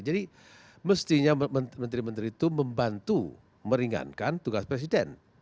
jadi mestinya menteri menteri itu membantu meringankan tugas presiden